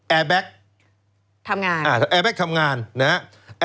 แอร์แบ๊กทำงานอ่าแอร์แบ๊กทำงานนะฮะ